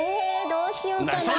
どうしようかな。